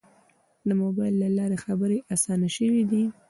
د موبایل له لارې خبرې آسانه شوې دي.